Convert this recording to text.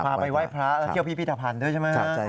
ไปไหว้พระแล้วเที่ยวพิพิธภัณฑ์ด้วยใช่ไหม